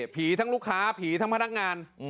ทั้งลูกค้าผีทั้งพนักงาน